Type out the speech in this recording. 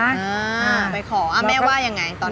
อ่าไปขออ้าวแม่ไหว้ยังไงตอนนั้น